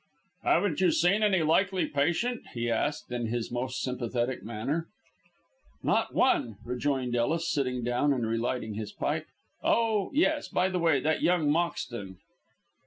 "Haven't you seen any likely patient?" he asked, in his most sympathetic manner. "Not one!" rejoined Ellis, sitting down and relighting his pipe. "Oh, yes, by the way, that young Moxton."